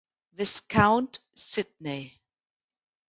Viscount Sydney.